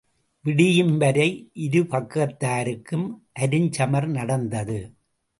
விடியும்வரை இருபக்கத்தாருக்கும் அருஞ்சமர் நடந்தது.